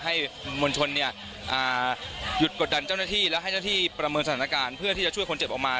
มวลชนหยุดกดดันเจ้าหน้าที่และให้เจ้าหน้าที่ประเมินสถานการณ์เพื่อที่จะช่วยคนเจ็บออกมา